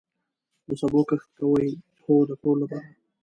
د سبو کښت کوئ؟ هو، د کور لپاره